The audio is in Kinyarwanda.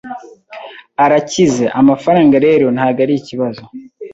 arakize, amafaranga rero ntabwo arikibazo.